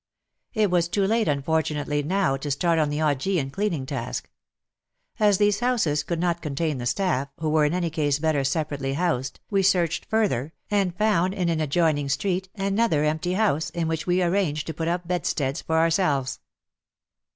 It was too late, unfortunately, now to start on the Augean cleaning task. As these houses would not contain the staff, who were in any case better separately housed, we searched further, and found in an adjoining street another empty house in which we arranged to put up bedsteads for ourselves.